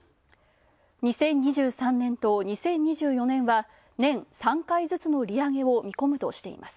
２０２３年と２０２４年は、年３回ずつの利上げを見込むとしています。